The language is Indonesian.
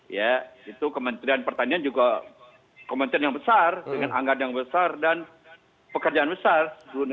ya itu kementerian pertanian juga kementerian yang besar dengan anggaran yang besar dan pekerjaan besar